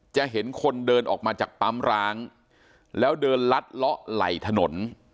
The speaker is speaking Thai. จะเห็นคนเดินออกมาจากปั๊มร้างแล้วเดินลัดเลาะไหล่ถนน